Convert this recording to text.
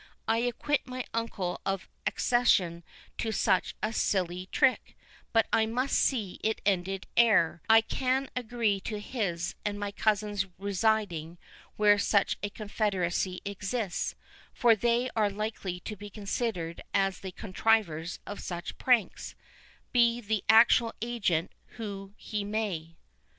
I acquit my uncle of accession to such a silly trick; but I must see it ended ere I can agree to his and my cousin's residing where such a confederacy exists; for they are likely to be considered as the contrivers of such pranks, be the actual agent who he may."